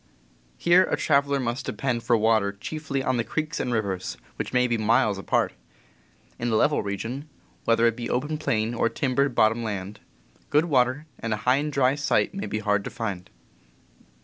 Here a traveler must depend for water chiefly on the creeks and rivers, which may be miles apart. In a level region, whether it be open plain or timbered bot tom land, good water and a high and dry site may be hard to find.